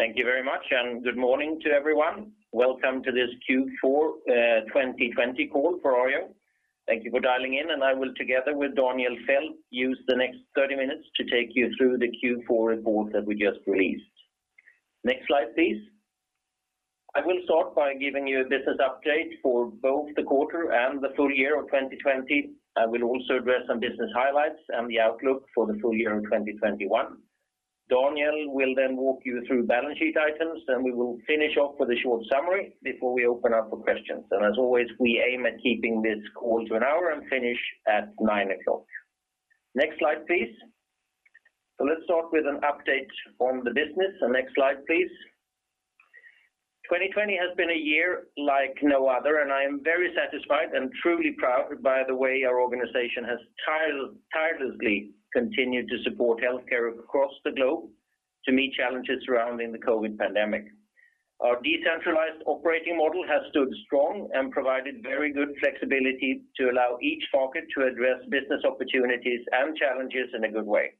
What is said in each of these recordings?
Thank you very much, good morning to everyone. Welcome to this Q4 2020 call for Arjo. Thank you for dialing in, and I will, together with Daniel Fäldt, use the next 30 minutes to take you through the Q4 report that we just released. Next slide, please. I will start by giving you a business update for both the quarter and the full year of 2020. I will also address some business highlights and the outlook for the full year in 2021. Daniel will then walk you through balance sheet items, and we will finish off with a short summary before we open up for questions. As always, we aim at keeping this call to an hour and finish at 9:00 A.M. Next slide, please. Let's start with an update on the business. Next slide, please. 2020 has been a year like no other, and I am very satisfied and truly proud by the way our organization has tirelessly continued to support healthcare across the globe to meet challenges surrounding the COVID pandemic. Our decentralized operating model has stood strong and provided very good flexibility to allow each market to address business opportunities and challenges in a good way.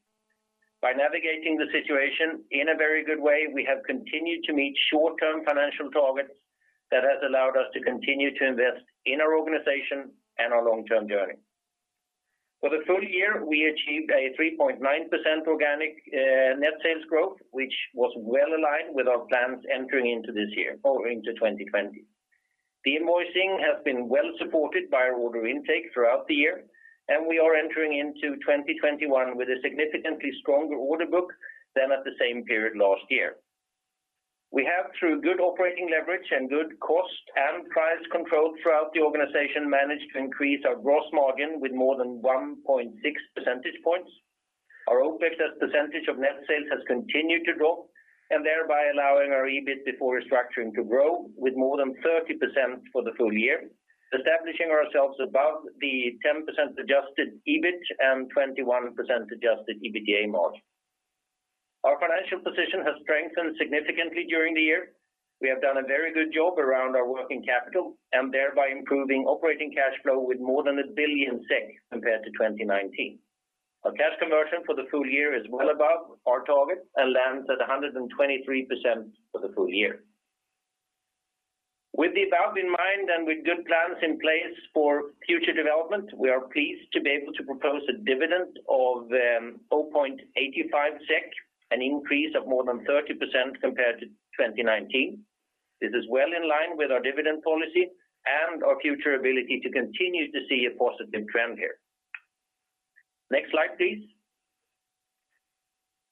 By navigating the situation in a very good way, we have continued to meet short-term financial targets that has allowed us to continue to invest in our organization and our long-term journey. For the full year, we achieved a 3.9% organic net sales growth, which was well aligned with our plans entering into this year, falling to 2020. The invoicing has been well supported by our order intake throughout the year, and we are entering into 2021 with a significantly stronger order book than at the same period last year. We have, through good operating leverage and good cost and price control throughout the organization, managed to increase our gross margin with more than 1.6 percentage points. Our OpEx as a percentage of net sales has continued to drop, thereby allowing our EBIT before restructuring to grow with more than 30% for the full year, establishing ourselves above the 10% adjusted EBIT and 21% adjusted EBITDA margin. Our financial position has strengthened significantly during the year. We have done a very good job around our working capital and thereby improving operating cash flow with more than 1 billion SEK compared to 2019. Our cash conversion for the full year is well above our target and lands at 123% for the full year. With the above in mind and with good plans in place for future development, we are pleased to be able to propose a dividend of 0.85 SEK, an increase of more than 30% compared to 2019. This is well in line with our dividend policy and our future ability to continue to see a positive trend here. Next slide, please.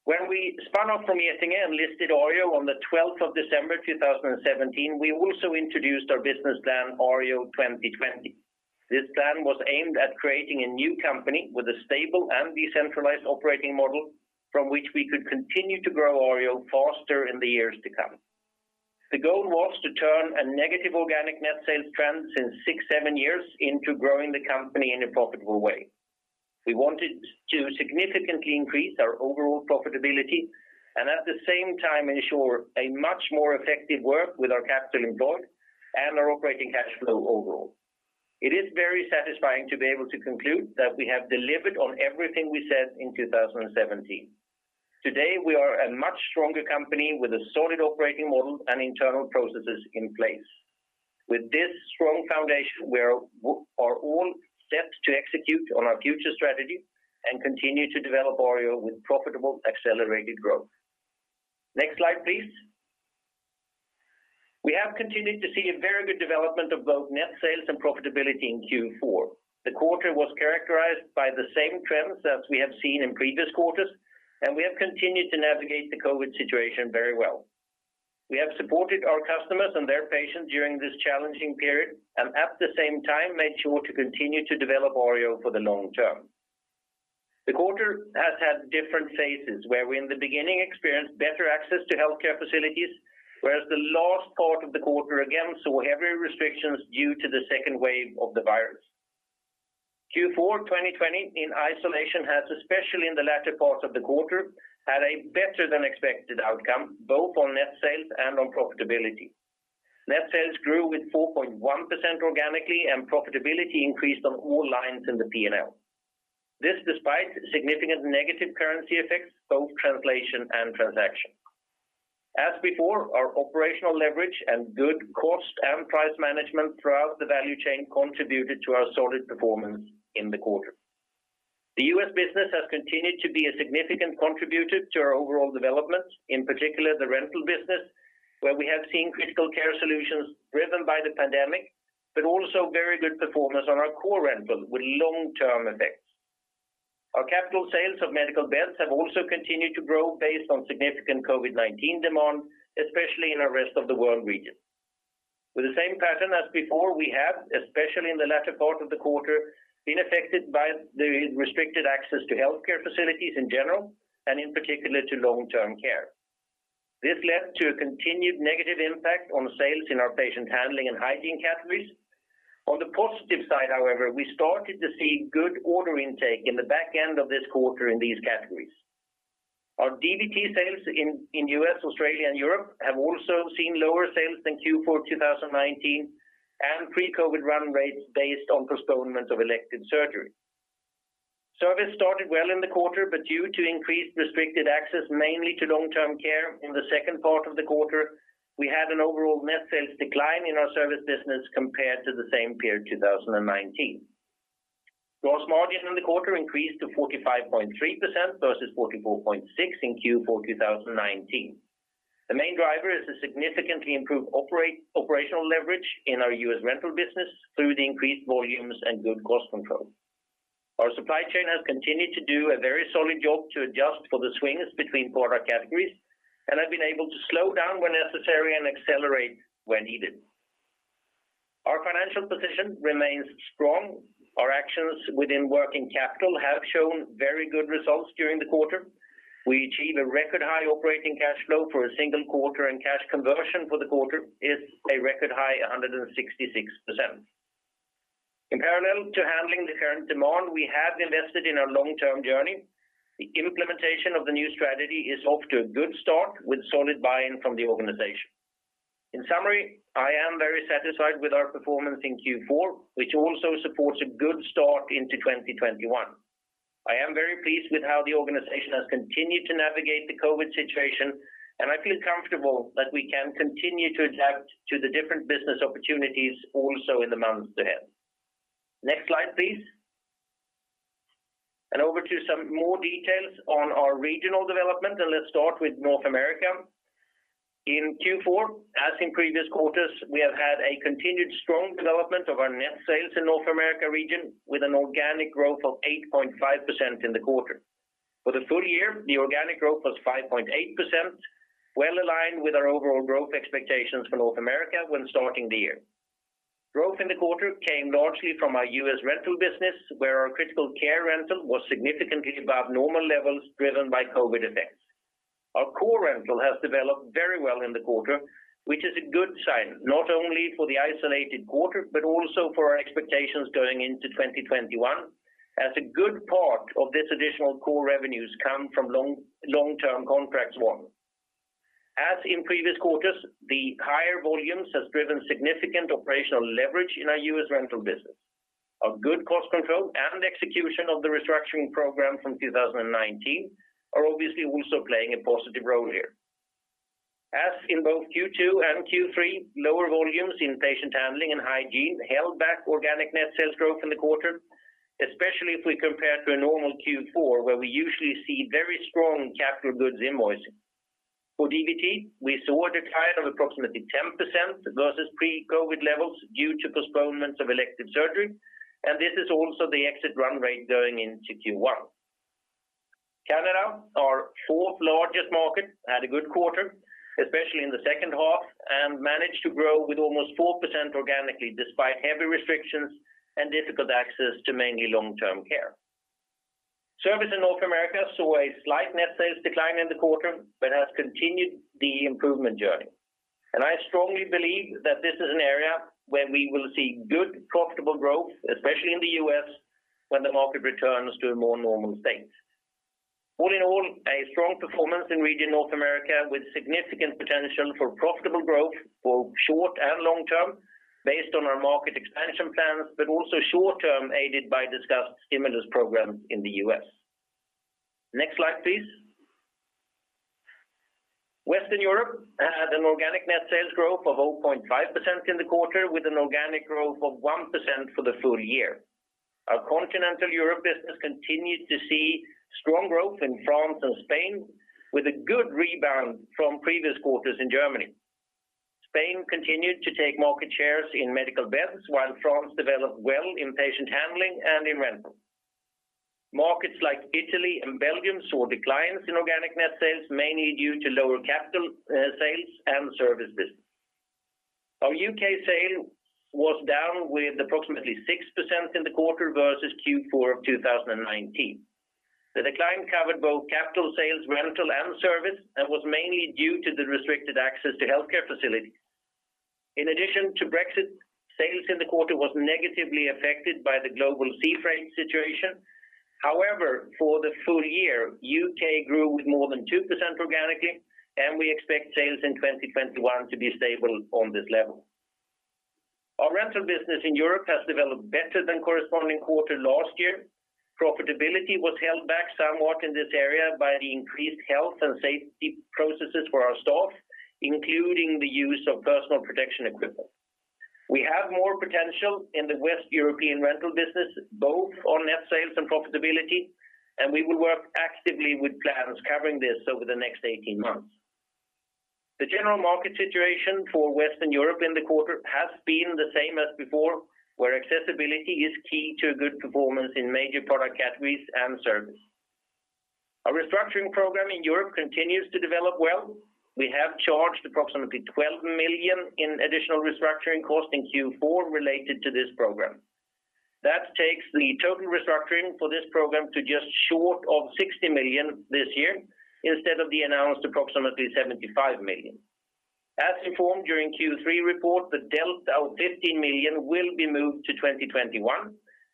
When we spun off from Getinge and listed Arjo on the 12th of December 2017, we also introduced our business plan, Arjo 2020. This plan was aimed at creating a new company with a stable and decentralized operating model from which we could continue to grow Arjo faster in the years to come. The goal was to turn a negative organic net sales trend since six, seven years into growing the company in a profitable way. We wanted to significantly increase our overall profitability and at the same time ensure a much more effective work with our capital employed and our operating cash flow overall. It is very satisfying to be able to conclude that we have delivered on everything we said in 2017. Today, we are a much stronger company with a solid operating model and internal processes in place. With this strong foundation, we are all set to execute on our future strategy and continue to develop Arjo with profitable, accelerated growth. Next slide, please. We have continued to see a very good development of both net sales and profitability in Q4. The quarter was characterized by the same trends as we have seen in previous quarters. We have continued to navigate the COVID situation very well. We have supported our customers and their patients during this challenging period and at the same time made sure to continue to develop Arjo for the long term. The quarter has had different phases, where we in the beginning experienced better access to healthcare facilities, whereas the last part of the quarter again saw heavy restrictions due to the second wave of the virus. Q4 2020 in isolation has, especially in the latter part of the quarter, had a better than expected outcome, both on net sales and on profitability. Net sales grew with 4.1% organically and profitability increased on all lines in the P&L. This despite significant negative currency effects, both translation and transaction. As before, our operational leverage and good cost and price management throughout the value chain contributed to our solid performance in the quarter. The U.S. business has continued to be a significant contributor to our overall development, in particular the rental business, where we have seen critical care solutions driven by the pandemic, but also very good performance on our core rental with long-term effects. Our capital sales of medical beds have also continued to grow based on significant COVID-19 demand, especially in our rest of the world region. With the same pattern as before, we have, especially in the latter part of the quarter, been affected by the restricted access to healthcare facilities in general, and in particular to long-term care. This led to a continued negative impact on sales in our patient handling and hygiene categories. On the positive side, we started to see good order intake in the back end of this quarter in these categories. Our DVT sales in U.S., Australia, and Europe have also seen lower sales than Q4 2019 and pre-COVID run rates based on postponement of elective surgery. Service started well in the quarter. Due to increased restricted access, mainly to long-term care in the second part of the quarter, we had an overall net sales decline in our service business compared to the same period, 2019. Gross margin in the quarter increased to 45.3% versus 44.6% in Q4 2019. The main driver is a significantly improved operational leverage in our U.S. rental business through the increased volumes and good cost control. Our supply chain has continued to do a very solid job to adjust for the swings between product categories and have been able to slow down when necessary and accelerate when needed. Our financial position remains strong. Our actions within working capital have shown very good results during the quarter. We achieve a record high operating cash flow for a single quarter and cash conversion for the quarter is a record high 166%. In parallel to handling the current demand, we have invested in our long-term journey. The implementation of the new strategy is off to a good start with solid buy-in from the organization. In summary, I am very satisfied with our performance in Q4, which also supports a good start into 2021. I am very pleased with how the organization has continued to navigate the COVID situation, and I feel comfortable that we can continue to adapt to the different business opportunities also in the months ahead. Next slide, please. Over to some more details on our regional development, and let's start with North America. In Q4, as in previous quarters, we have had a continued strong development of our net sales in North America region with an organic growth of 8.5% in the quarter. For the full year, the organic growth was 5.8%, well aligned with our overall growth expectations for North America when starting the year. Growth in the quarter came largely from our U.S. rental business, where our critical care rental was significantly above normal levels, driven by COVID effects. Our core rental has developed very well in the quarter, which is a good sign, not only for the isolated quarter, but also for our expectations going into 2021, as a good part of this additional core revenues come from long-term contracts. As in previous quarters, the higher volumes has driven significant operational leverage in our U.S. rental business. A good cost control and execution of the restructuring program from 2019 are obviously also playing a positive role here. As in both Q2 and Q3, lower volumes in patient handling and hygiene held back organic net sales growth in the quarter, especially if we compare to a normal Q4, where we usually see very strong capital goods invoicing. For DVT, we saw a decline of approximately 10% versus pre-COVID levels due to postponements of elective surgery, this is also the exit run rate going into Q1. Canada, our fourth largest market, had a good quarter, especially in the second half, and managed to grow with almost 4% organically, despite heavy restrictions and difficult access to mainly long-term care. Service in North America saw a slight net sales decline in the quarter, but has continued the improvement journey. I strongly believe that this is an area where we will see good, profitable growth, especially in the U.S., when the market returns to a more normal state. All in all, a strong performance in region North America with significant potential for profitable growth for short and long term based on our market expansion plans, but also short term aided by discussed stimulus programs in the U.S. Next slide, please. Western Europe had an organic net sales growth of 0.5% in the quarter with an organic growth of 1% for the full year. Our continental Europe business continued to see strong growth in France and Spain with a good rebound from previous quarters in Germany. Spain continued to take market shares in medical beds, while France developed well in patient handling and in rental. Markets like Italy and Belgium saw declines in organic net sales, mainly due to lower capital sales and service business. Our U.K. sale was down with approximately 6% in the quarter versus Q4 of 2019. The decline covered both capital sales, rental, and service, was mainly due to the restricted access to healthcare facilities. In addition to Brexit, sales in the quarter was negatively affected by the global sea freight situation. For the full year, U.K. grew with more than 2% organically, and we expect sales in 2021 to be stable on this level. Our rental business in Europe has developed better than corresponding quarter last year. Profitability was held back somewhat in this area by the increased health and safety processes for our staff, including the use of personal protection equipment. We have more potential in the Western European rental business, both on net sales and profitability, and we will work actively with plans covering this over the next 18 months. The general market situation for Western Europe in the quarter has been the same as before, where accessibility is key to a good performance in major product categories and service. Our restructuring program in Europe continues to develop well. We have charged approximately 12 million in additional restructuring cost in Q4 related to this program. That takes the total restructuring for this program to just short of 60 million this year instead of the announced approximately 75 million. As informed during Q3 report, the delta of 15 million will be moved to 2021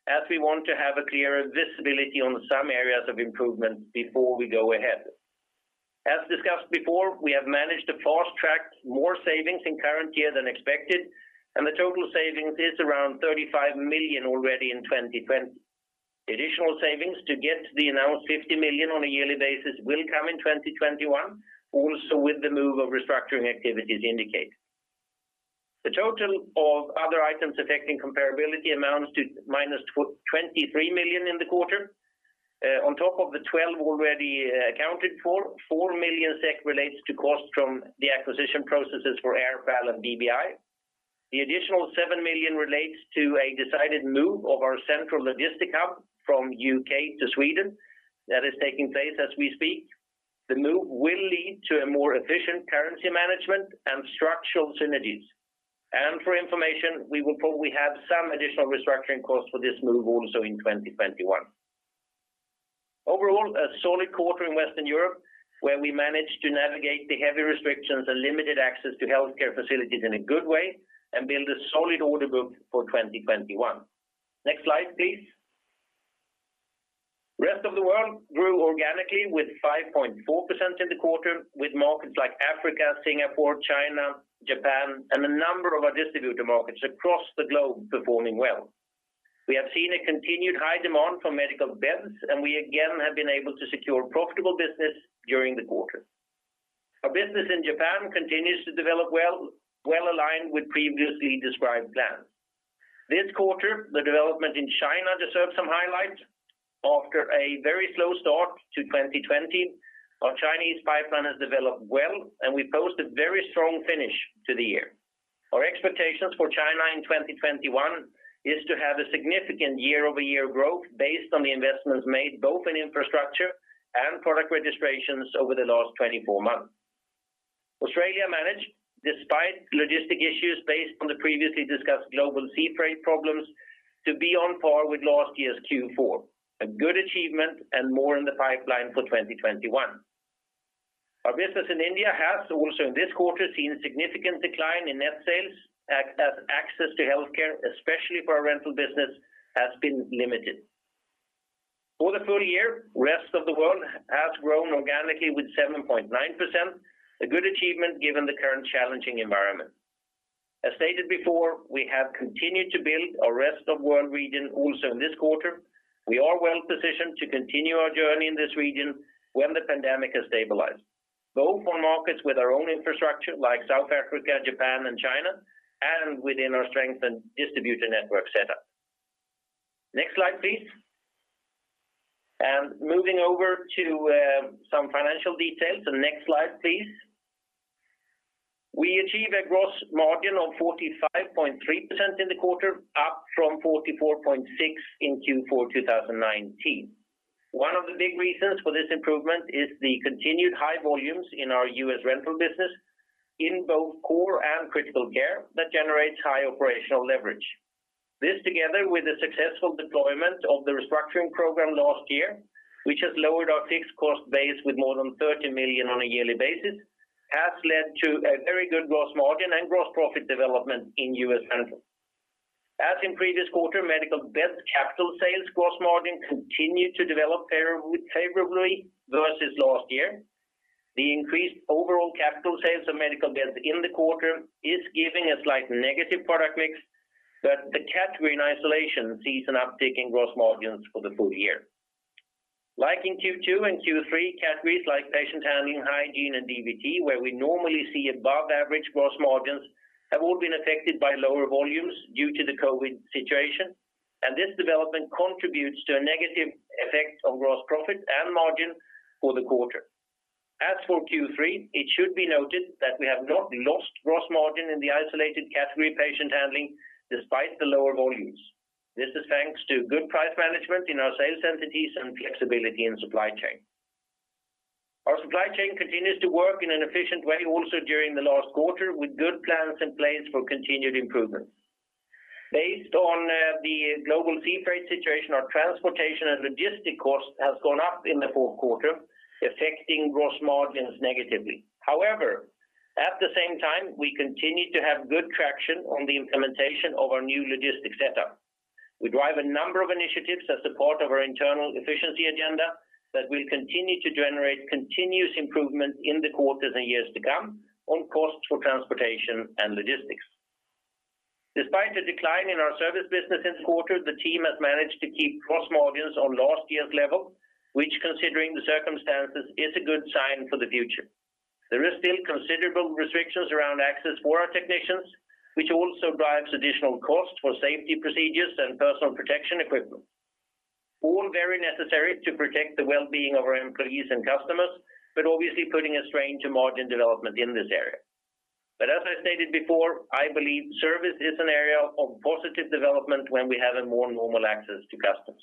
as we want to have a clearer visibility on some areas of improvement before we go ahead. As discussed before, we have managed to fast track more savings in current year than expected, and the total savings is around 35 million already in 2020. Additional savings to get to the announced 50 million on a yearly basis will come in 2021, also with the move of restructuring activities indicated. The total of other items affecting comparability amounts to -23 million in the quarter. On top of the 12 already accounted for, 4 million SEK relates to cost from the acquisition processes for AirPal and BBI. The additional 7 million relates to a decided move of our central logistic hub from U.K. to Sweden. That is taking place as we speak. The move will lead to a more efficient currency management and structural synergies. For information, we will probably have some additional restructuring costs for this move also in 2021. Overall, a solid quarter in Western Europe, where we managed to navigate the heavy restrictions and limited access to healthcare facilities in a good way and build a solid order book for 2021. Next slide, please. Rest of the World grew organically with 5.4% in the quarter, with markets like Africa, Singapore, China, Japan, and a number of our distributor markets across the globe performing well. We have seen a continued high demand for medical beds, we again have been able to secure profitable business during the quarter. Our business in Japan continues to develop well, aligned with previously described plans. This quarter, the development in China deserves some highlights. After a very slow start to 2020, our Chinese pipeline has developed well, and we post a very strong finish to the year. Our expectations for China in 2021 is to have a significant year-over-year growth based on the investments made both in infrastructure and product registrations over the last 24 months. Australia managed, despite logistic issues based on the previously discussed global sea freight problems, to be on par with last year's Q4. A good achievement and more in the pipeline for 2021. Our business in India has also in this quarter seen significant decline in net sales as access to healthcare, especially for our rental business, has been limited. For the full year, Rest of the World has grown organically with 7.9%, a good achievement given the current challenging environment. As stated before, we have continued to build our Rest of World region also in this quarter. We are well positioned to continue our journey in this region when the pandemic has stabilized, both for markets with our own infrastructure like South Africa, Japan, and China, and within our strengthened distributor network setup. Next slide, please. Moving over to some financial details. Next slide, please. We achieve a gross margin of 45.3% in the quarter, up from 44.6% in Q4 2019. One of the big reasons for this improvement is the continued high volumes in our U.S. rental business in both core and critical care that generates high operational leverage. This, together with the successful deployment of the restructuring program last year, which has lowered our fixed cost base with more than 30 million on a yearly basis, has led to a very good gross margin and gross profit development in U.S. As in previous quarter, medical bed capital sales gross margin continued to develop favorably versus last year. The increased overall capital sales of medical beds in the quarter is giving a slight negative product mix, but the category in isolation sees an uptick in gross margins for the full year. Like in Q2 and Q3, categories like patient handling, hygiene, and DVT, where we normally see above average gross margins, have all been affected by lower volumes due to the COVID situation, and this development contributes to a negative effect on gross profit and margin for the quarter. As for Q3, it should be noted that we have not lost gross margin in the isolated category patient handling, despite the lower volumes. This is thanks to good price management in our sales entities and flexibility in supply chain. Our supply chain continues to work in an efficient way also during the last quarter, with good plans in place for continued improvement. Based on the global sea freight situation, our transportation and logistic cost has gone up in the fourth quarter, affecting gross margins negatively. However, at the same time, we continue to have good traction on the implementation of our new logistics setup. We drive a number of initiatives as support of our internal efficiency agenda that will continue to generate continuous improvement in the quarters and years to come on costs for transportation and logistics. Despite the decline in our service business this quarter, the team has managed to keep gross margins on last year's level, which considering the circumstances, is a good sign for the future. There is still considerable restrictions around access for our technicians, which also drives additional cost for safety procedures and personal protection equipment. All very necessary to protect the well-being of our employees and customers, but obviously putting a strain to margin development in this area. As I stated before, I believe service is an area of positive development when we have a more normal access to customers.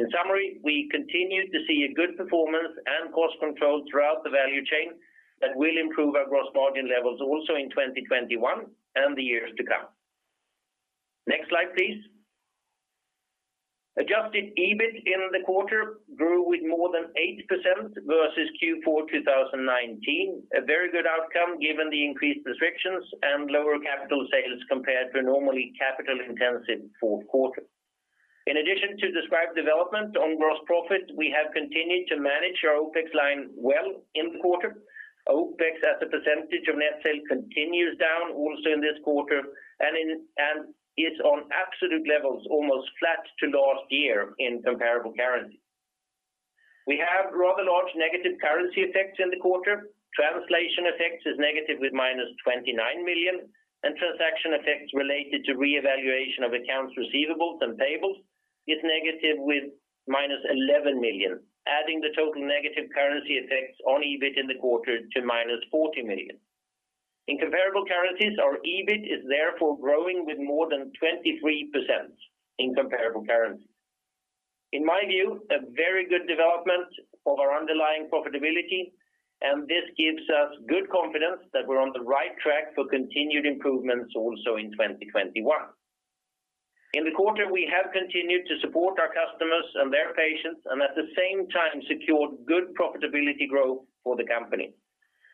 In summary, we continue to see a good performance and cost control throughout the value chain that will improve our gross margin levels also in 2021 and the years to come. Next slide, please. Adjusted EBIT in the quarter grew with more than 8% versus Q4 2019. A very good outcome given the increased restrictions and lower capital sales compared to a normally capital-intensive fourth quarter. In addition to described development on gross profit, we have continued to manage our OpEx line well in the quarter. OpEx as a percentage of net sales continues down also in this quarter, and is on absolute levels almost flat to last year in comparable currency. We have rather large negative currency effects in the quarter. Translation effects is negative with -29 million, and transaction effects related to reevaluation of accounts receivables and payables is negative with -11 million, adding the total negative currency effects on EBIT in the quarter to -40 million. In comparable currencies, our EBIT is therefore growing with more than 23% in comparable currency. In my view, a very good development of our underlying profitability, and this gives us good confidence that we're on the right track for continued improvements also in 2021. In the quarter, we have continued to support our customers and their patients, and at the same time secured good profitability growth for the company.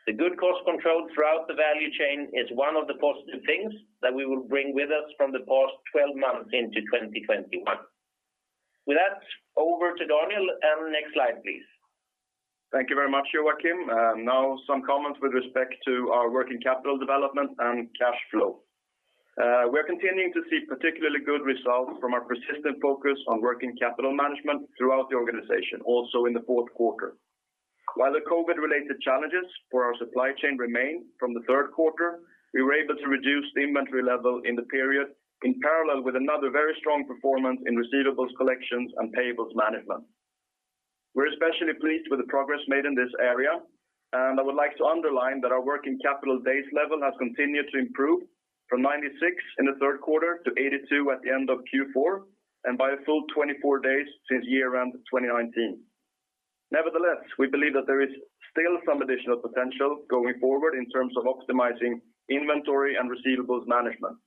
The good cost control throughout the value chain is one of the positive things that we will bring with us from the past 12 months into 2021. With that, over to Daniel, and next slide please. Thank you very much, Joacim. Some comments with respect to our working capital development and cash flow. We're continuing to see particularly good results from our persistent focus on working capital management throughout the organization also in the fourth quarter. The COVID related challenges for our supply chain remain from the third quarter, we were able to reduce the inventory level in the period in parallel with another very strong performance in receivables collections and payables management. We're especially pleased with the progress made in this area, I would like to underline that our working capital days level has continued to improve from 96 in the third quarter to 82 at the end of Q4, and by a full 24 days since year end 2019. We believe that there is still some additional potential going forward in terms of optimizing inventory and receivables management.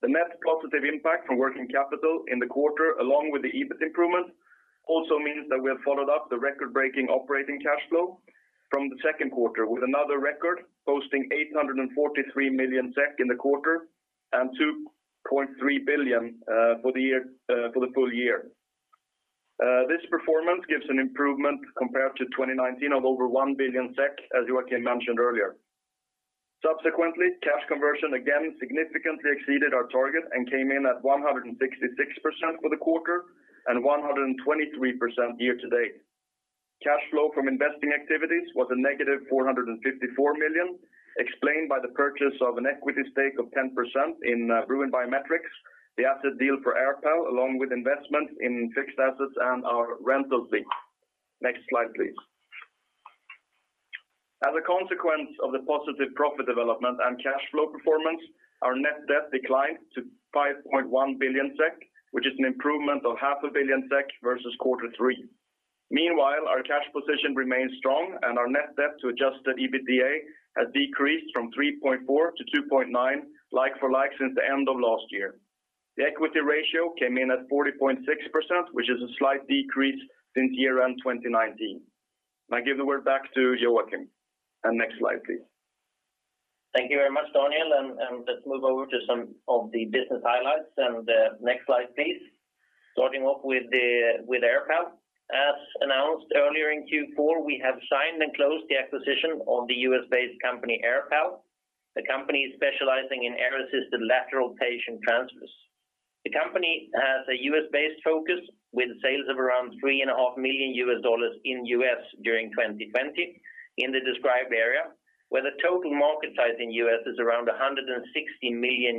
The net positive impact from working capital in the quarter, along with the EBIT improvement, also means that we have followed up the record-breaking operating cash flow from the second quarter with another record posting 843 million SEK in the quarter and 2.3 billion for the full year. This performance gives an improvement compared to 2019 of over 1 billion SEK, as Joacim mentioned earlier. Subsequently, cash conversion again significantly exceeded our target and came in at 166% for the quarter and 123% year to date. Cash flow from investing activities was a -454 million, explained by the purchase of an equity stake of 10% in Bruin Biometrics, the asset deal for AirPal, along with investment in fixed assets and our rental fleet. Next slide, please. As a consequence of the positive profit development and cash flow performance, our net debt declined to 5.1 billion SEK, which is an improvement of 1.5 billion SEK versus quarter three. Meanwhile, our cash position remains strong and our net debt to adjusted EBITDA has decreased from 3.4 to 2.9 like for like since the end of last year. The equity ratio came in at 40.6%, which is a slight decrease since year end 2019. I give the word back to Joacim. Next slide, please. Thank you very much, Daniel. Let's move over to some of the business highlights. Next slide, please. Starting off with AirPal. As announced earlier in Q4, we have signed and closed the acquisition of the U.S.-based company, AirPal. The company is specializing in air-assisted lateral patient transfers. The company has a U.S.-based focus with sales of around $3.5 million in U.S. during 2020 in the described area, where the total market size in U.S. is around $160 million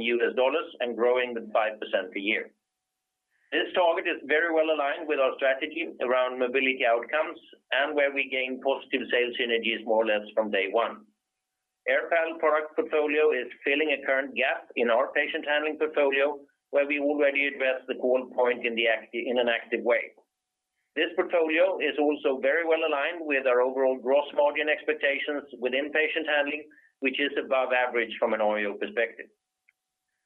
and growing with 5% per year. This target is very well aligned with our strategy around mobility outcomes and where we gain positive sales synergies more or less from day one. AirPal product portfolio is filling a current gap in our patient handling portfolio, where we already address the goal point in an active way. This portfolio is also very well aligned with our overall gross margin expectations within patient handling, which is above average from an Arjo perspective.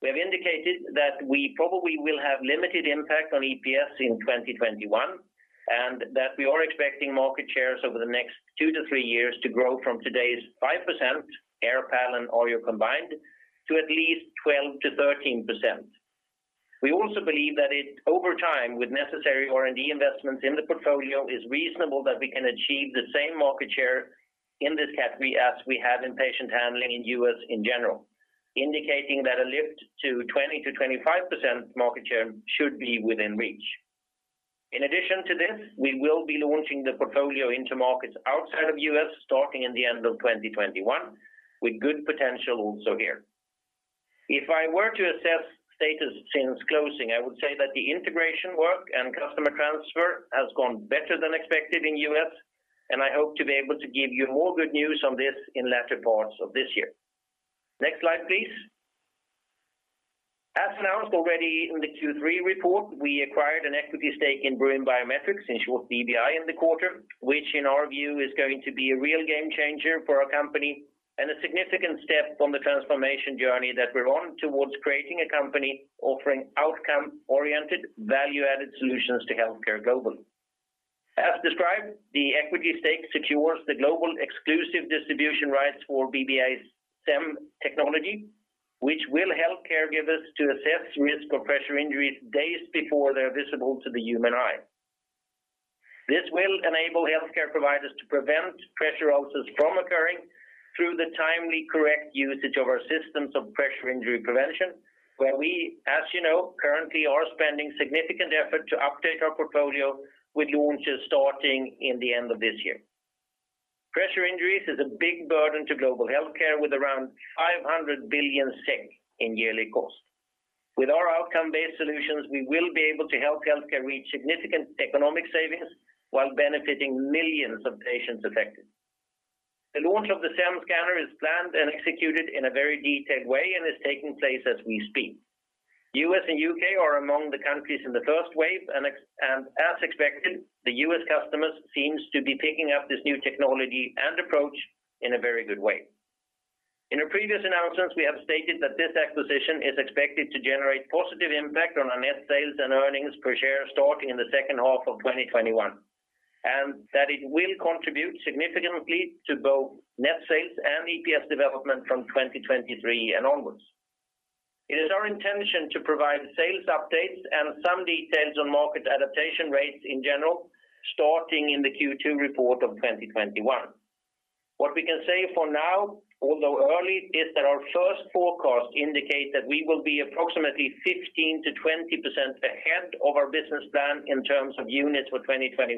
We have indicated that we probably will have limited impact on EPS in 2021, and that we are expecting market shares over the next 2-3 years to grow from today's 5%, AirPal and Arjo combined, to at least 12%-13%. We also believe that over time, with necessary R&D investments in the portfolio, is reasonable that we can achieve the same market share in this category as we have in patient handling in U.S. in general, indicating that a lift to 20%-25% market share should be within reach. In addition to this, we will be launching the portfolio into markets outside of U.S. starting in the end of 2021, with good potential also here. If I were to assess status since closing, I would say that the integration work and customer transfer has gone better than expected in U.S., and I hope to be able to give you more good news on this in latter parts of this year. Next slide, please. As announced already in the Q3 report, we acquired an equity stake in Bruin Biometrics, in short, BBI, in the quarter, which in our view is going to be a real game changer for our company and a significant step on the transformation journey that we're on towards creating a company offering outcome-oriented, value-added solutions to healthcare globally. As described, the equity stake secures the global exclusive distribution rights for BBI's SEM technology, which will help caregivers to assess risk of pressure injuries days before they're visible to the human eye. This will enable healthcare providers to prevent pressure injuries from occurring through the timely correct usage of our systems of pressure injury prevention, where we, you know, currently are spending significant effort to update our portfolio with launches starting in the end of this year. Pressure injuries is a big burden to global healthcare, with around 500 billion SEK in yearly cost. With our outcome-based solutions, we will be able to help healthcare reach significant economic savings while benefiting millions of patients affected. The launch of the SEM Scanner is planned and executed in a very detailed way and is taking place as we speak. U.S. and U.K. are among the countries in the first wave, as expected, the U.S. customers seems to be picking up this new technology and approach in a very good way. In our previous announcements, we have stated that this acquisition is expected to generate positive impact on our net sales and earnings per share starting in the second half of 2021, and that it will contribute significantly to both net sales and EPS development from 2023 and onwards. It is our intention to provide sales updates and some details on market adaptation rates in general, starting in the Q2 report of 2021. What we can say for now, although early, is that our first forecast indicates that we will be approximately 15%-20% ahead of our business plan in terms of units for 2021,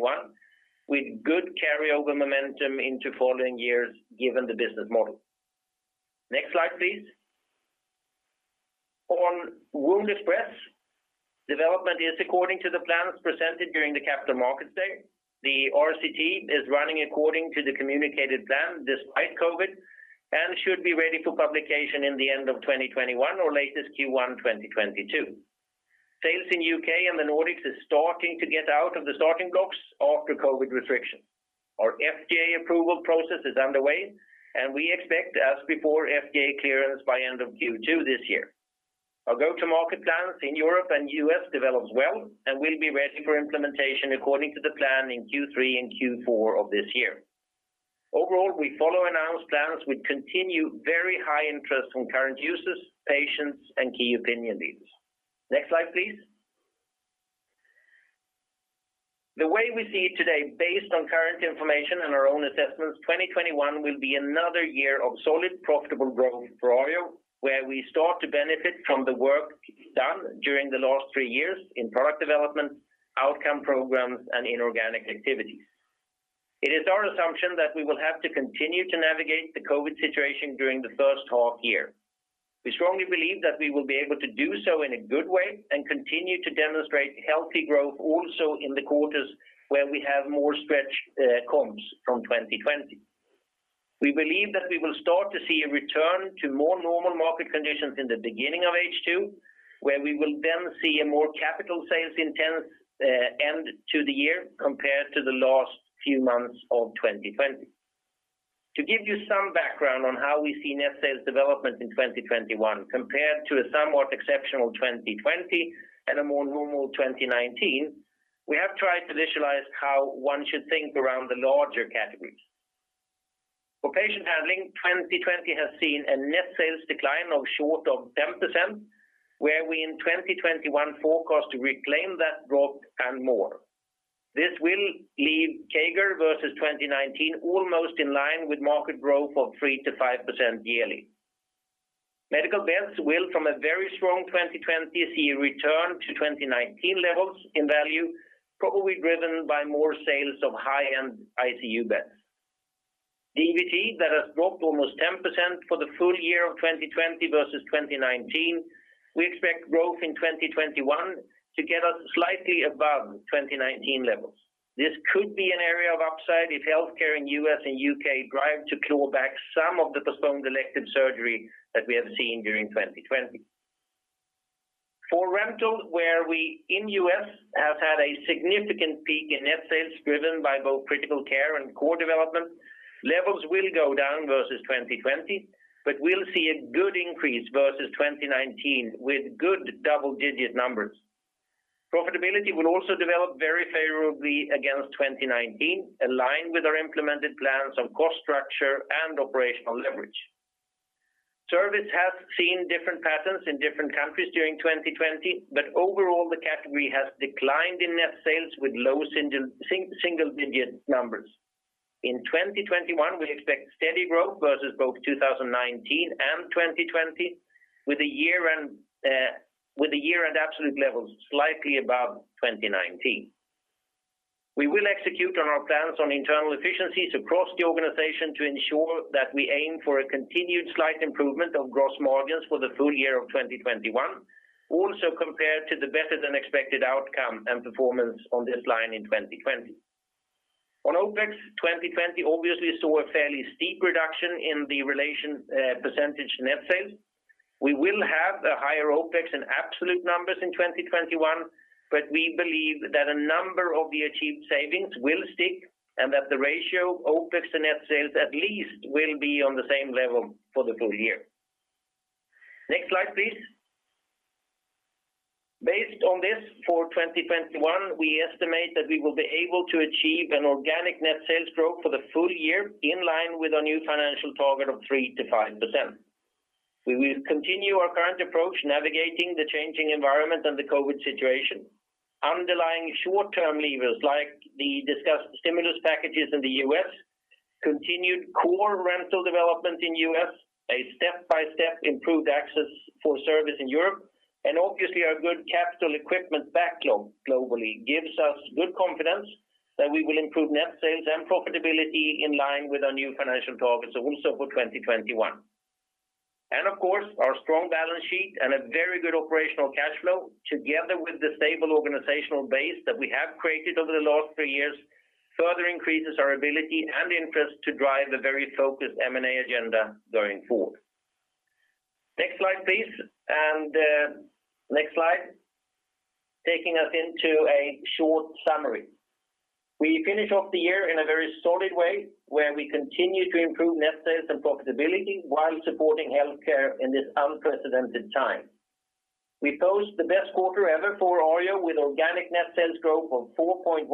with good carry-over momentum into following years given the business model. Next slide, please. On WoundExpress, development is according to the plans presented during the Capital Markets Day. The RCT is running according to the communicated plan despite COVID, and should be ready for publication in the end of 2021 or latest Q1 2022. Sales in U.K. and the Nordics is starting to get out of the starting blocks after COVID restrictions. Our FDA approval process is underway, and we expect, as before, FDA clearance by end of Q2 this year. Our go-to-market plans in Europe and U.S. develops well, and will be ready for implementation according to the plan in Q3 and Q4 of this year. Overall, we follow announced plans with continued very high interest from current users, patients, and key opinion leaders. Next slide, please. The way we see it today, based on current information and our own assessments, 2021 will be another year of solid, profitable growth for Arjo, where we start to benefit from the work done during the last three years in product development, outcome programs, and inorganic activities. It is our assumption that we will have to continue to navigate the COVID situation during the first half year. We strongly believe that we will be able to do so in a good way and continue to demonstrate healthy growth also in the quarters where we have more stretched comps from 2020. We believe that we will start to see a return to more normal market conditions in the beginning of H2, where we will then see a more capital sales intense end to the year compared to the last few months of 2020. To give you some background on how we see net sales development in 2021 compared to a somewhat exceptional 2020 and a more normal 2019, we have tried to visualize how one should think around the larger categories. For patient handling, 2020 has seen a net sales decline of short of 10%, where we in 2021 forecast to reclaim that drop and more. This will leave CAGR versus 2019 almost in line with market growth of 3%-5% yearly. medical beds will, from a very strong 2020, see a return to 2019 levels in value, probably driven by more sales of high-end ICU beds. DVT that has dropped almost 10% for the full year of 2020 versus 2019, we expect growth in 2021 to get us slightly above 2019 levels. This could be an area of upside if healthcare in U.S. and U.K. drive to claw back some of the postponed elective surgery that we have seen during 2020. For rental, where we in U.S. have had a significant peak in net sales driven by both critical care and core development, levels will go down versus 2020, but we'll see a good increase versus 2019 with good double-digit numbers. Profitability will also develop very favorably against 2019, aligned with our implemented plans on cost structure and operational leverage. Service has seen different patterns in different countries during 2020, but overall, the category has declined in net sales with low single-digit numbers. In 2021, we expect steady growth versus both 2019 and 2020, with the year at absolute levels slightly above 2019. We will execute on our plans on internal efficiencies across the organization to ensure that we aim for a continued slight improvement of gross margins for the full year of 2021, also compared to the better than expected outcome and performance on this line in 2020. On OpEx, 2020 obviously saw a fairly steep reduction in the relation percentage net sales. We will have a higher OpEx in absolute numbers in 2021, we believe that a number of the achieved savings will stick, and that the ratio of OpEx and net sales at least will be on the same level for the full year. Next slide, please. Based on this for 2021, we estimate that we will be able to achieve an organic net sales growth for the full year in line with our new financial target of 3%-5%. We will continue our current approach navigating the changing environment and the COVID situation. Underlying short-term levers, like the discussed stimulus packages in the U.S., continued core rental development in U.S., a step-by-step improved access for service in Europe, and obviously our good capital equipment backlog globally gives us good confidence that we will improve net sales and profitability in line with our new financial targets also for 2021. Of course, our strong balance sheet and a very good operational cash flow together with the stable organizational base that we have created over the last three years further increases our ability and interest to drive a very focused M&A agenda going forward. Next slide, please. Next slide. Taking us into a short summary. We finish off the year in a very solid way, where we continue to improve net sales and profitability while supporting healthcare in this unprecedented time. We post the best quarter ever for Arjo, with organic net sales growth of 4.1%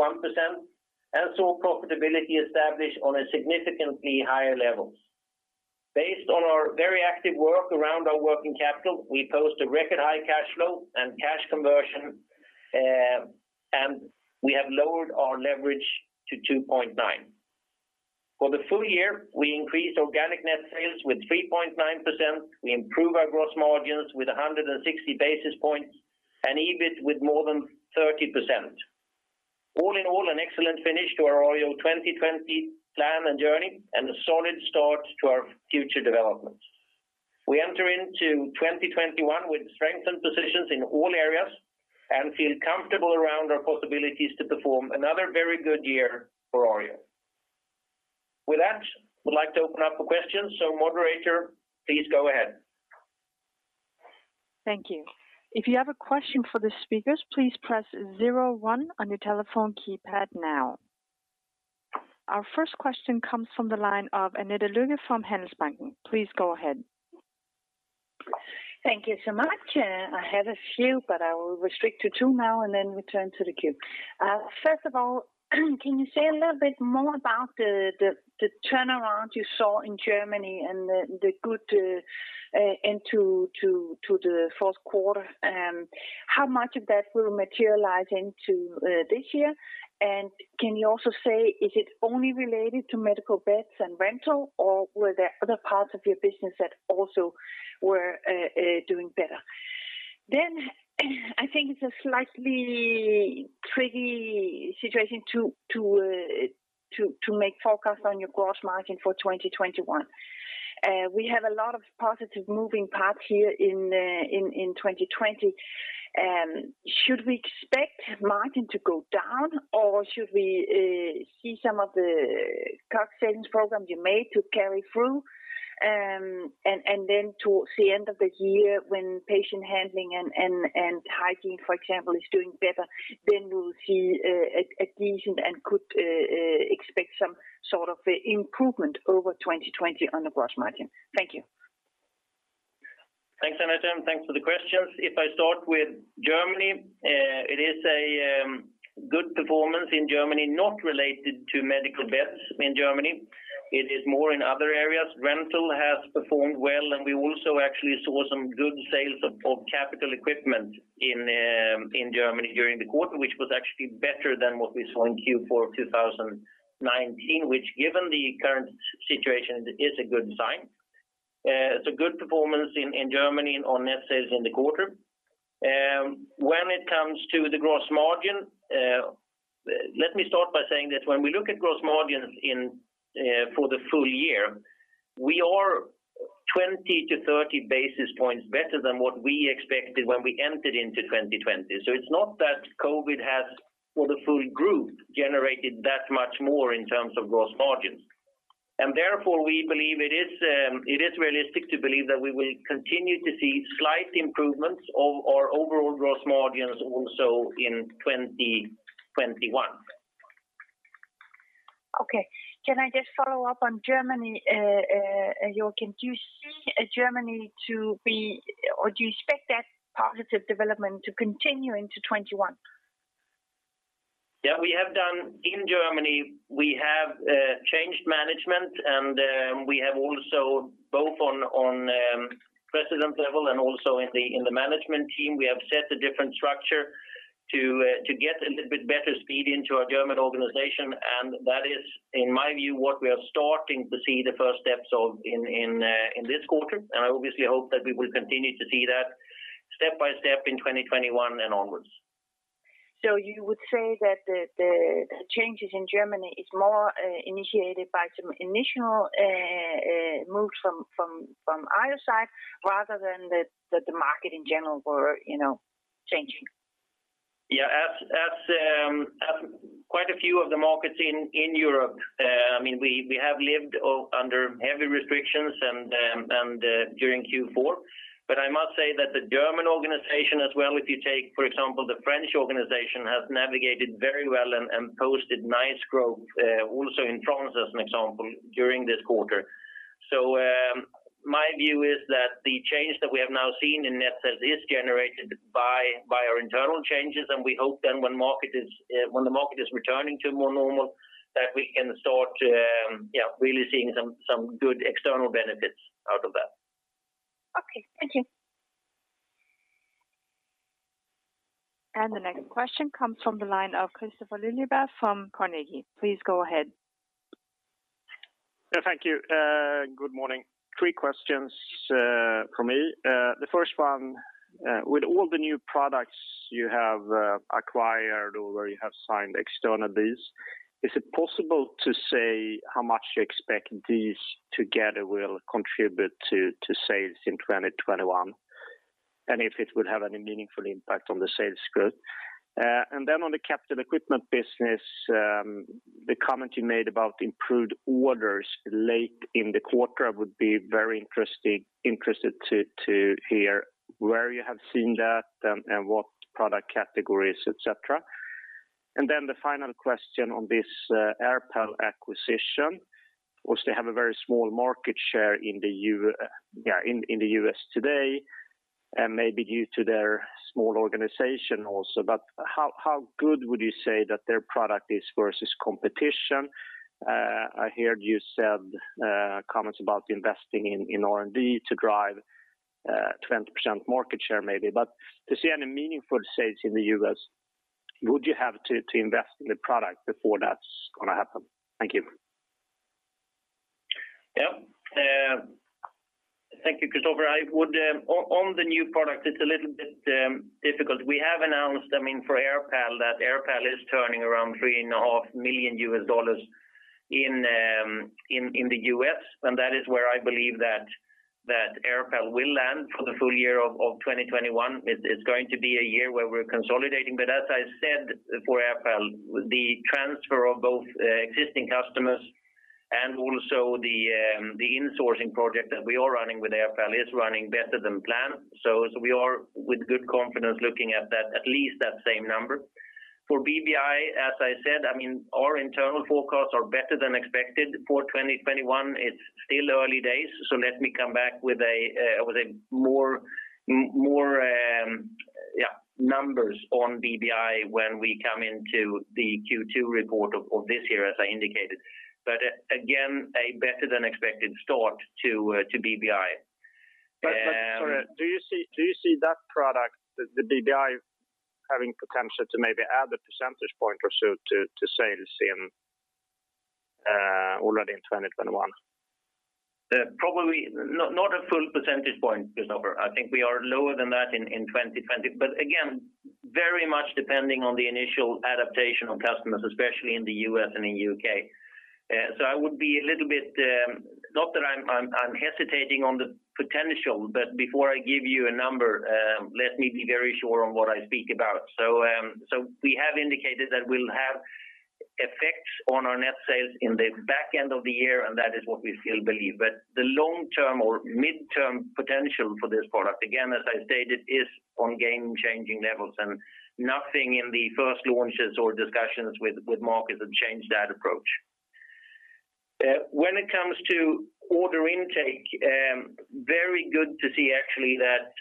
and saw profitability established on a significantly higher level. Based on our very active work around our working capital, we post a record high cash flow and cash conversion, and we have lowered our leverage to 2.9. For the full year, we increased organic net sales with 3.9%. We improve our gross margins with 160 basis points and EBIT with more than 30%. All in all, an excellent finish to our Arjo 2020 plan and journey and a solid start to our future developments. We enter into 2021 with strengthened positions in all areas and feel comfortable around our possibilities to perform another very good year for Arjo. With that, I would like to open up for questions. Moderator, please go ahead. Thank you. Our first question comes from the line of Annette Lykke from Handelsbanken. Please go ahead. Thank you so much. I have a few, but I will restrict to two now and then return to the queue. First of all, can you say a little bit more about the turnaround you saw in Germany and the good end to the fourth quarter? How much of that will materialize into this year? Can you also say, is it only related to medical beds and rental, or were there other parts of your business that also were doing better? I think it's a slightly tricky situation to make forecasts on your gross margin for 2021. We have a lot of positive moving parts here in 2020. Should we expect margin to go down, or should we see some of the cost savings programs you made to carry through? Towards the end of the year when patient handling and hygiene, for example, is doing better, then we'll see adhesion and could expect some sort of improvement over 2020 on the gross margin. Thank you. Thanks, Annette, thanks for the questions. If I start with Germany, it is a good performance in Germany, not related to medical beds in Germany. It is more in other areas. Rental has performed well, and we also actually saw some good sales of capital equipment in Germany during the quarter, which was actually better than what we saw in Q4 of 2019, which given the current situation, is a good sign. It's a good performance in Germany on net sales in the quarter. When it comes to the gross margin, let me start by saying that when we look at gross margins for the full year, we are 20-30 basis points better than what we expected when we entered into 2020. It's not that COVID has, for the full group, generated that much more in terms of gross margins. Therefore, we believe it is realistic to believe that we will continue to see slight improvements of our overall gross margins also in 2021. Can I just follow up on Germany, Joacim? Do you see Germany to be, or do you expect that positive development to continue into 2021? Yeah. In Germany, we have changed management, we have also both on president level and also in the management team, we have set a different structure to get a little bit better speed into our German organization. That is, in my view, what we are starting to see the first steps of in this quarter. I obviously hope that we will continue to see that step by step in 2021 and onwards. You would say that the changes in Germany is more initiated by some initial moves from either side rather than that the market in general were changing? As quite a few of the markets in Europe, we have lived under heavy restrictions during Q4. I must say that the German organization as well, if you take, for example, the French organization, has navigated very well and posted nice growth also in France as an example during this quarter. My view is that the change that we have now seen in net sales is generated by our internal changes, and we hope then when the market is returning to more normal, that we can start really seeing some good external benefits out of that. Okay. Thank you. The next question comes from the line of Kristofer Liljeberg from Carnegie. Please go ahead. Thank you. Good morning. Three questions from me. The first one, with all the new products you have acquired or where you have signed external deals, is it possible to say how much you expect these together will contribute to sales in 2021, and if it would have any meaningful impact on the sales growth? On the capital equipment business, the comment you made about improved orders late in the quarter, I would be very interested to hear where you have seen that and what product categories, et cetera. The final question on this AirPal acquisition, obviously have a very small market share in the U.S. today, and maybe due to their small organization also, but how good would you say that their product is versus competition? I heard you said comments about investing in R&D to drive 20% market share maybe, but to see any meaningful sales in the U.S., would you have to invest in the product before that's going to happen? Thank you. Thank you, Kristofer. On the new product, it's a little bit difficult. We have announced, for AirPal, that AirPal is turning around $3.5 million in the U.S., that is where I believe that AirPal will land for the full year of 2021. It's going to be a year where we're consolidating, as I said, for AirPal, the transfer of both existing customers and also the insourcing project that we are running with AirPal is running better than planned. We are, with good confidence, looking at least that same number. For BBI, as I said, our internal forecasts are better than expected for 2021. It's still early days, let me come back with more numbers on BBI when we come into the Q2 report of this year, as I indicated. Again, a better than expected start to BBI. Sorry, do you see that product, the BBI, having potential to maybe add a percentage point or so to sales already in 2021? Probably not a full percentage point, Kristofer. I think we are lower than that in 2020, but again, very much depending on the initial adaptation of customers, especially in the U.S. and in U.K. I would be a little bit, not that I'm hesitating on the potential, but before I give you a number, let me be very sure on what I speak about. We have indicated that we'll have effects on our net sales in the back end of the year, and that is what we still believe. The long term or midterm potential for this product, again, as I stated, is on game-changing levels, and nothing in the first launches or discussions with markets have changed that approach. When it comes to order intake, very good to see actually that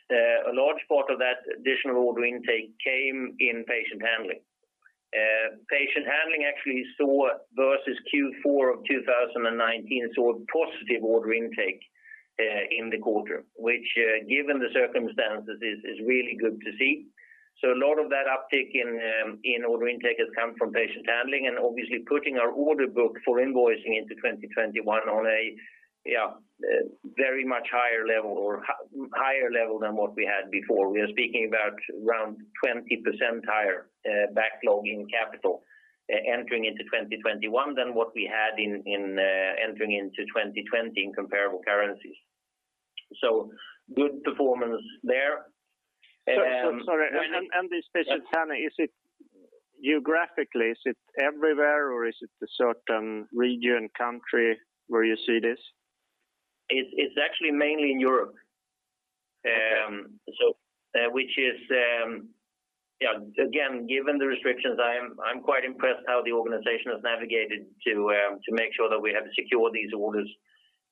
a large part of that additional order intake came in patient handling. Patient handling actually versus Q4 2019, saw positive order intake in the quarter, which given the circumstances is really good to see. A lot of that uptick in order intake has come from Patient handling and obviously putting our order book for invoicing into 2021 on a very much higher level than what we had before. We are speaking about around 20% higher backlogging capital entering into 2021 than what we had entering into 2020 in comparable currencies. Good performance there. Sorry, this patient handling, geographically, is it everywhere or is it a certain region, country where you see this? It's actually mainly in Europe. Given the restrictions, I'm quite impressed how the organization has navigated to make sure that we have secured these orders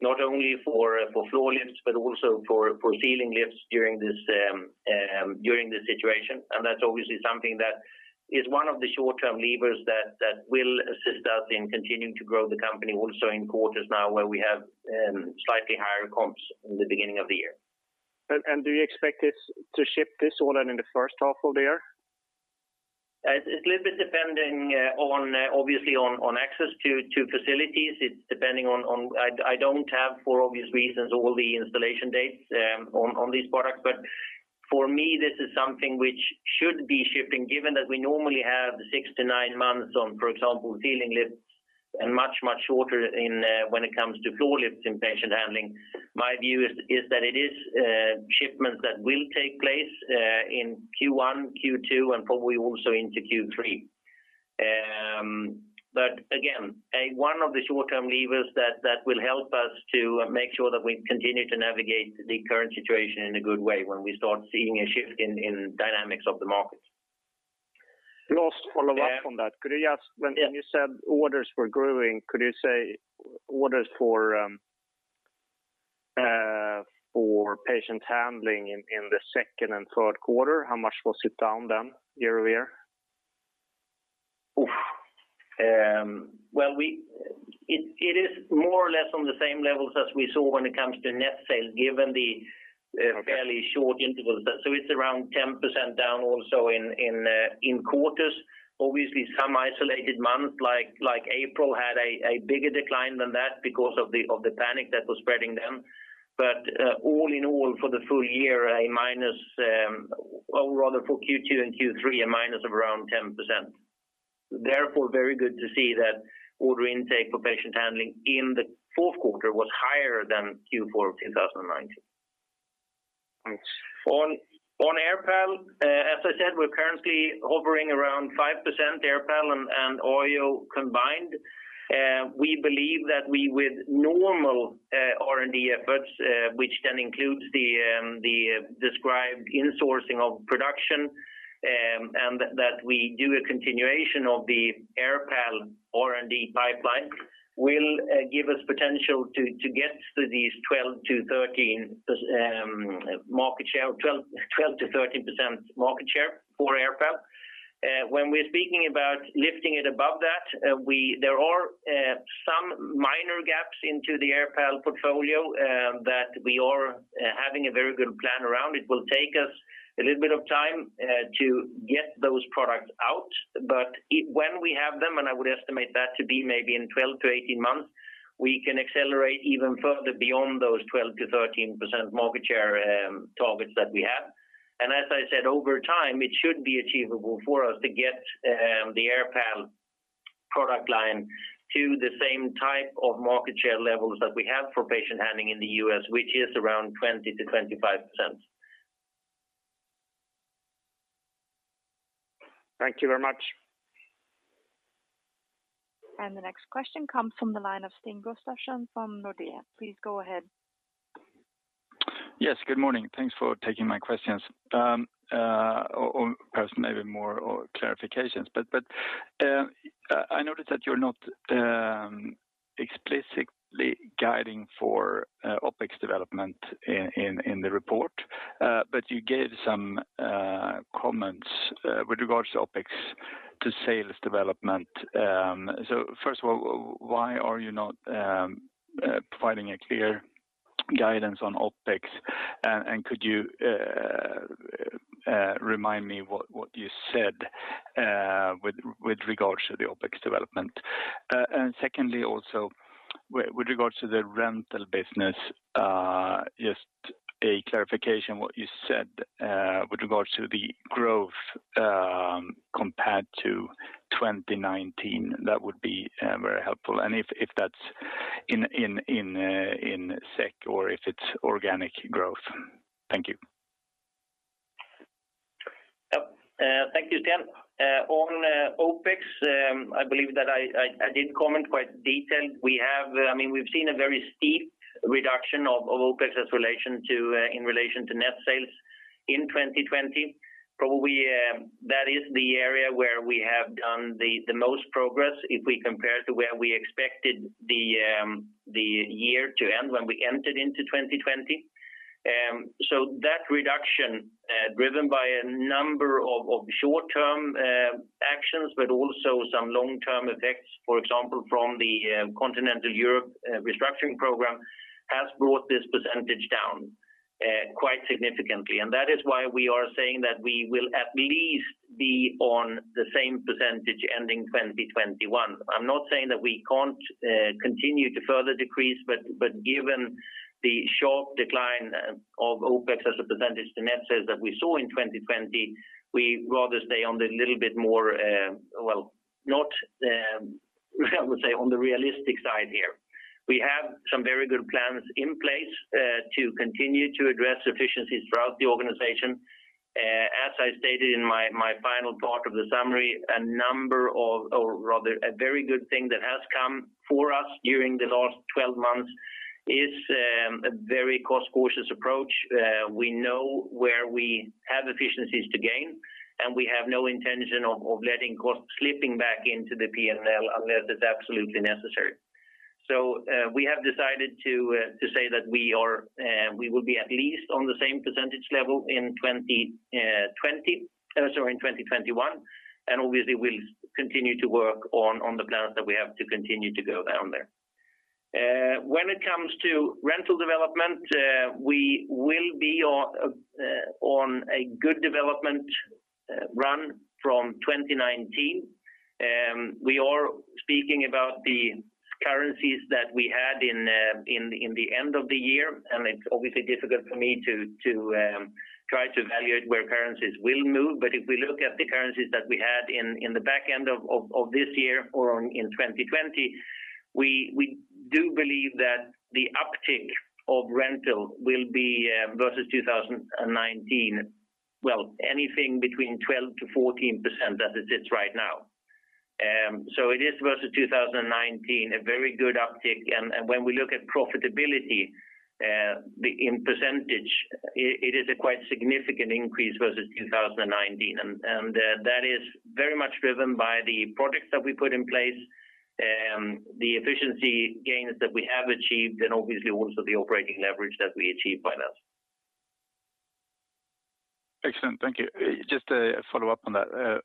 not only for floor lifts, but also for ceiling lifts during this situation. That's obviously something that is one of the short-term levers that will assist us in continuing to grow the company also in quarters now where we have slightly higher comps in the beginning of the year. Do you expect to ship this order in the first half of the year? It's a little bit depending obviously on access to facilities. I don't have, for obvious reasons, all the installation dates on these products, but for me, this is something which should be shipping, given that we normally have six to nine months on, for example, ceiling lifts and much, much shorter when it comes to floor lifts in patient handling. My view is that it is shipments that will take place in Q1, Q2, and probably also into Q3. Again, one of the short-term levers that will help us to make sure that we continue to navigate the current situation in a good way when we start seeing a shift in dynamics of the markets. Lost follow up on that. When you said orders were growing, could you say orders for patient handling in the second and third quarter, how much was it down then year-over-year? Well, it is more or less on the same levels as we saw when it comes to net sales, given the fairly short intervals. It's around 10% down also in quarters. Obviously, some isolated months like April had a bigger decline than that because of the panic that was spreading then. All in all, for the full year, or rather for Q2 and Q3, a minus of around 10%. Therefore, very good to see that order intake for patient handling in the fourth quarter was higher than Q4 of 2019. Thanks. On AirPal, as I said, we're currently hovering around 5% AirPal and Arjo combined. We believe that with normal R&D efforts, which then includes the described insourcing of production, and that we do a continuation of the AirPal R&D pipeline, will give us potential to get to these 12%-13% market share for AirPal. When we're speaking about lifting it above that, there are some minor gaps into the AirPal portfolio that we are having a very good plan around. It will take us a little bit of time to get those products out. When we have them, and I would estimate that to be maybe in 12-18 months, we can accelerate even further beyond those 12%-13% market share targets that we have. As I said, over time, it should be achievable for us to get the AirPal product line to the same type of market share levels that we have for patient handling in the U.S., which is around 20%-25%. Thank you very much. The next question comes from the line of Sten Gustafsson from Nordea. Please go ahead. Yes, good morning. Thanks for taking my questions, or perhaps maybe more clarifications. I noticed that you're not explicitly guiding for OpEx development in the report, but you gave some comments with regards to OpEx to sales development. First of all, why are you not providing a clear guidance on OpEx? Could you remind me what you said with regards to the OpEx development? Secondly, also with regards to the rental business, just a clarification what you said with regards to the growth compared to 2019. That would be very helpful. If that's in SEK or if it's organic growth. Thank you. Yep. Thank you, Sten. On OpEx, I believe that I did comment quite detailed. We've seen a very steep reduction of OpEx in relation to net sales in 2020. Probably that is the area where we have done the most progress if we compare to where we expected the year to end when we entered into 2020. That reduction, driven by a number of short-term actions, but also some long-term effects, for example, from the Continental Europe restructuring program, has brought this percentage down quite significantly. That is why we are saying that we will at least be on the same percentage ending 2021. I'm not saying that we can't continue to further decrease, but given the sharp decline of OpEx as a percentage to net sales that we saw in 2020, we rather stay on the little bit more, I would say on the realistic side here. We have some very good plans in place to continue to address efficiencies throughout the organization. As I stated in my final thought of the summary, a very good thing that has come for us during the last 12 months is a very cost cautious approach. We know where we have efficiencies to gain. We have no intention of letting costs slipping back into the P&L unless it's absolutely necessary. We have decided to say that we will be at least on the same percentage level in 2021, and obviously we'll continue to work on the plans that we have to continue to go down there. When it comes to rental development, we will be on a good development run from 2019. We are speaking about the currencies that we had in the end of the year. It's obviously difficult for me to try to evaluate where currencies will move. If we look at the currencies that we had in the back end of this year or in 2020, we do believe that the uptick of rental will be versus 2019, well, anything between 12%-14% as it sits right now. It is versus 2019, a very good uptick. When we look at profitability in percentage, it is a quite significant increase versus 2019. That is very much driven by the projects that we put in place, the efficiency gains that we have achieved, and obviously also the operating leverage that we achieve by that. Excellent. Thank you. Just a follow-up on that.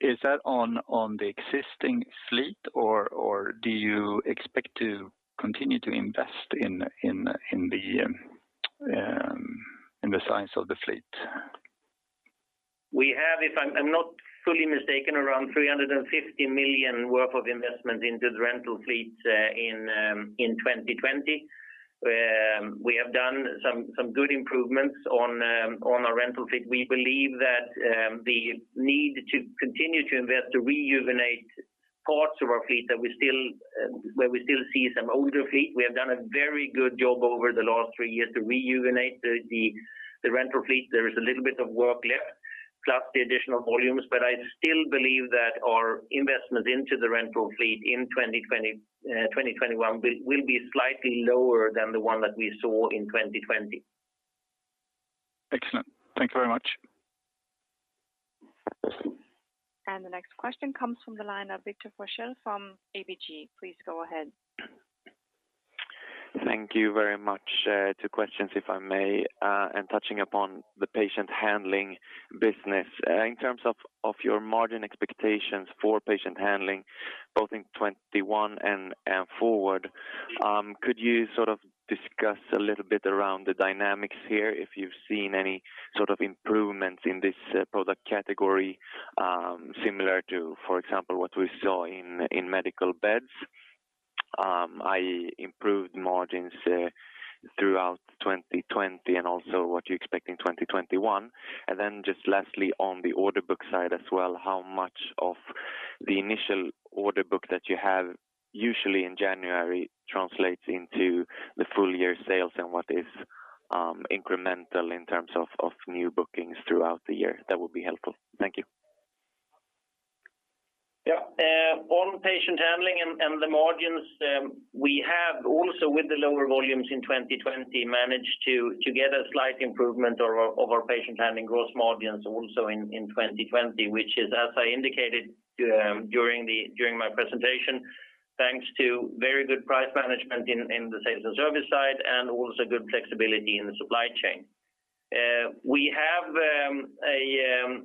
Is that on the existing fleet, or do you expect to continue to invest in the size of the fleet? We have, if I'm not fully mistaken, around 350 million worth of investment into the rental fleets in 2020. We have done some good improvements on our rental fleet. We believe that the need to continue to invest to rejuvenate parts of our fleet, where we still see some older fleet. We have done a very good job over the last three years to rejuvenate the rental fleet. There is a little bit of work left, plus the additional volumes. I still believe that our investment into the rental fleet in 2021 will be slightly lower than the one that we saw in 2020. Excellent. Thanks very much. The next question comes from the line of Victor Forssell from ABG. Please go ahead. Thank you very much. Two questions, if I may. I'm touching upon the patient handling business. In terms of your margin expectations for patient handling, both in 2021 and forward, could you discuss a little bit around the dynamics here, if you've seen any sort of improvements in this product category? Similar to, for example, what we saw in medical beds, improved margins throughout 2020 and also what you expect in 2021. Then just lastly, on the order book side as well, how much of the initial order book that you have usually in January translates into the full year sales, and what is incremental in terms of new bookings throughout the year? That would be helpful. Thank you. Yeah. On patient handling and the margins, we have also with the lower volumes in 2020, managed to get a slight improvement of our patient handling gross margins also in 2020, which is, as I indicated during my presentation, thanks to very good price management in the sales and service side and also good flexibility in the supply chain. We have a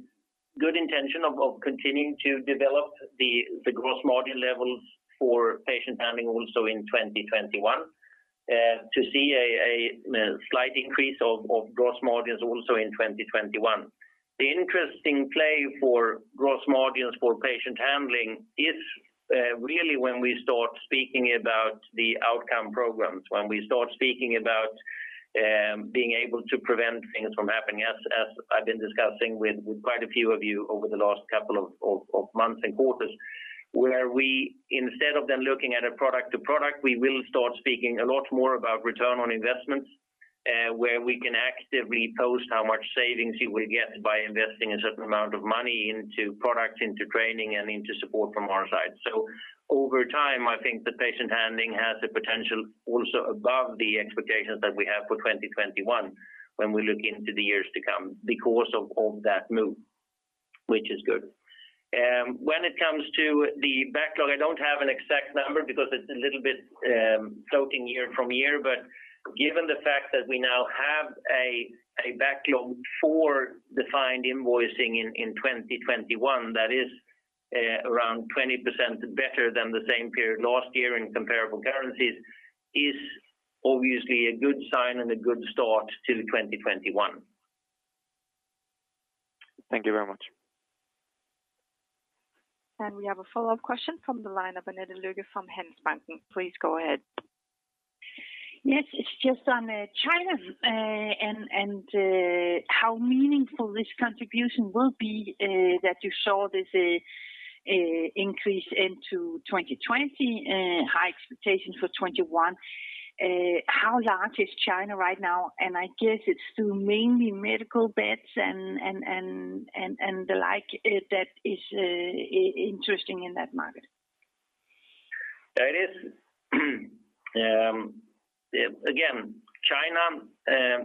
good intention of continuing to develop the gross margin levels for patient handling also in 2021, to see a slight increase of gross margins also in 2021. The interesting play for gross margins for patient handling is really when we start speaking about the Outcome Programs, when we start speaking about being able to prevent things from happening, as I've been discussing with quite a few of you over the last couple of months and quarters, where we, instead of then looking at a product to product, we will start speaking a lot more about return on investments, where we can actively post how much savings you will get by investing a certain amount of money into product, into training, and into support from our side. Over time, I think that patient handling has the potential also above the expectations that we have for 2021 when we look into the years to come because of that move, which is good. When it comes to the backlog, I don't have an exact number because it's a little bit floating year from year. Given the fact that we now have a backlog for defined invoicing in 2021, that is around 20% better than the same period last year in comparable currencies, is obviously a good sign and a good start to 2021. Thank you very much. We have a follow-up question from the line of Annette Lykke from Handelsbanken. Please go ahead. Yes, it's just on China and how meaningful this contribution will be that you saw this increase into 2020, high expectations for 2021. How large is China right now? I guess it's through mainly medical beds and the like that is interesting in that market. That is, China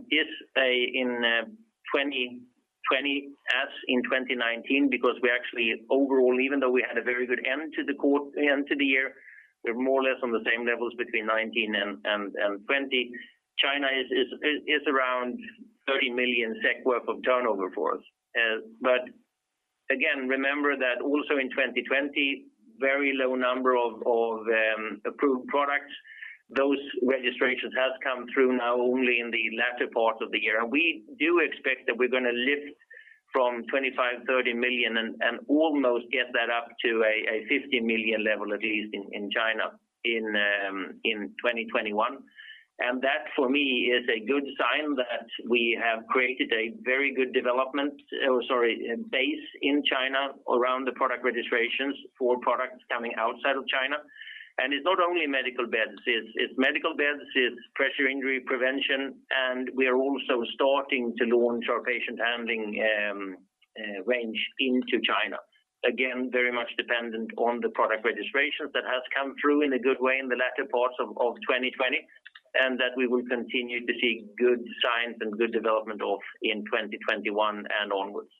is in 2020 as in 2019 because we're actually overall, even though we had a very good end to the year, we're more or less on the same levels between 2019 and 2020. China is around 30 million SEK worth of turnover for us. Remember that also in 2020, very low number of approved products. Those registrations has come through now only in the latter part of the year. We do expect that we're going to lift from 25 million-30 million and almost get that up to a 50 million level, at least in China in 2021. That, for me, is a good sign that we have created a very good development, sorry, base in China around the product registrations for products coming outside of China. It's not only medical beds. It's medical beds, it's pressure injury prevention, and we are also starting to launch our patient handling range into China. Again, very much dependent on the product registrations that has come through in a good way in the latter part of 2020, and that we will continue to see good signs and good development of in 2021 and onwards.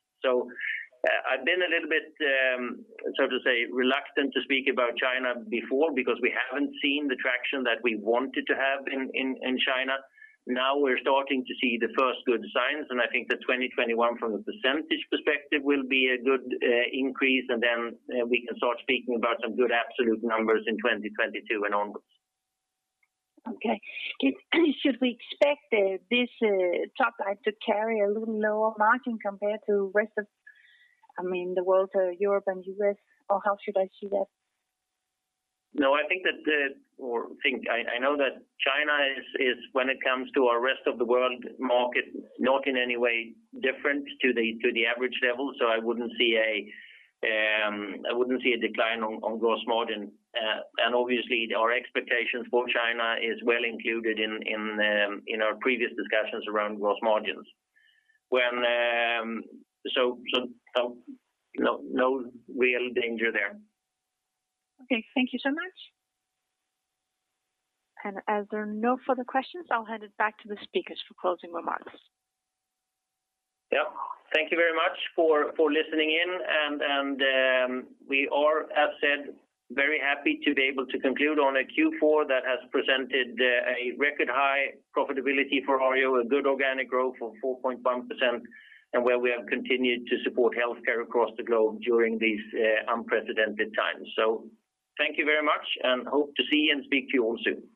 I've been a little bit, so to say, reluctant to speak about China before because we haven't seen the traction that we wanted to have in China. Now we're starting to see the first good signs, and I think that 2021 from a percentage perspective will be a good increase, and then we can start speaking about some good absolute numbers in 2022 and onwards. Okay. Should we expect this top line to carry a little lower margin compared to Rest of the World, so Europe and U.S., or how should I see that? No, I know that China is, when it comes to our Rest of the World market, not in any way different to the average level. I wouldn't see a decline on gross margin. Obviously, our expectations for China is well included in our previous discussions around gross margins. No real danger there. Okay. Thank you so much. As there are no further questions, I'll hand it back to the speakers for closing remarks. Yep. Thank you very much for listening in, and we are, as said, very happy to be able to conclude on a Q4 that has presented a record high profitability for Arjo, a good organic growth of 4.1%, and where we have continued to support healthcare across the globe during these unprecedented times. Thank you very much, and hope to see and speak to you all soon.